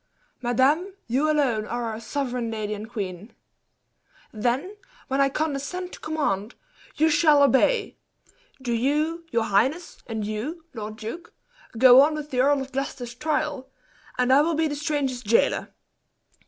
"Madame, you alone are our sovereign lady and queen!" "Then, when I condescend to command, you shall obey! Do you, your highness, and you, lord duke, go on with the Earl of Gloucester's trial, and I will be the stranger's jailer."